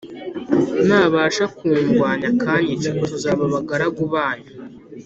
Nabasha kundwanya akanyica tuzaba abagaragu banyu